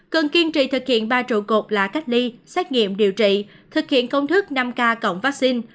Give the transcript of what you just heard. cần kiên trì thực hiện ba trụ cột là cách ly xét nghiệm điều trị thực hiện công thức năm k cộng vaccine